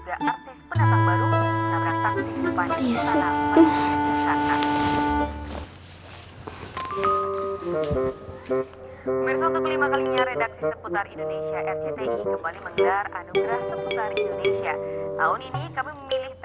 bapak ngapain tidur disini